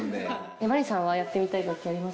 マリさんはやってみたい楽器あります？